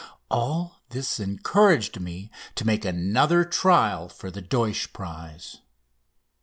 All this encouraged me to make another trial for the Deutsch prize.